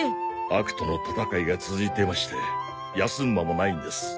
悪との戦いが続いてまして休む間もないんです。